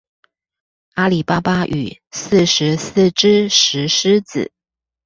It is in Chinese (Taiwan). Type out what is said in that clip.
阿里巴巴與四十四隻石獅子